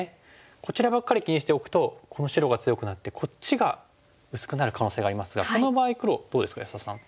こちらばっかり気にしておくとこの白が強くなってこっちが薄くなる可能性がありますがこの場合黒どうですか安田さん。